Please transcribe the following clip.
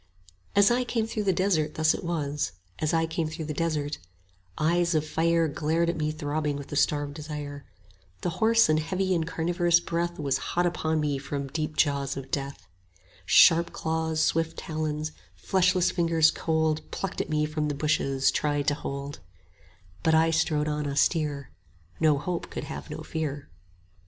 15 As I came through the desert thus it was, As I came through the desert: Eyes of fire Glared at me throbbing with a starved desire; The hoarse and heavy and carnivorous breath Was hot upon me from deep jaws of death; 20 Sharp claws, swift talons, fleshless fingers cold Plucked at me from the bushes, tried to hold: But I strode on austere; No hope could have no fear.